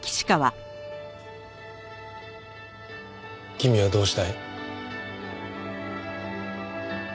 君はどうしたい？